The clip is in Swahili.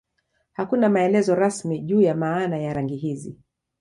Hakuna maelezo rasmi juu ya maana ya rangi hizi.